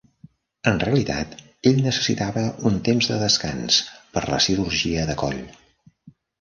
En realitat, ell necessitava un temps de descans per la cirurgia de coll.